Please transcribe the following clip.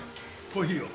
コーヒーを。